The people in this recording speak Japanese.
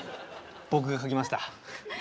僕が書きました。